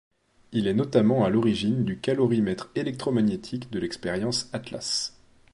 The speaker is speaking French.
Il est notamment à l'origine du calorimètre électromagnétique de l’expérience Atlas.